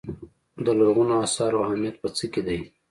د لرغونو اثارو اهمیت په څه کې دی.